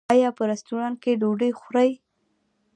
ایا په رستورانت کې ډوډۍ خورئ؟